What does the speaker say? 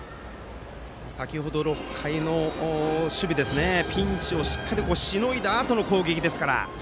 先程６回の守備のピンチをしっかりとしのいだあとの攻撃ですから。